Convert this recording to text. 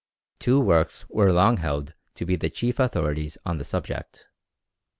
Two works were long held to be the chief authorities on the subject.